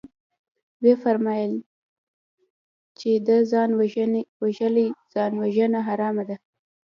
ويې فرمايل چې ده ځان وژلى ځانوژنه حرامه ده.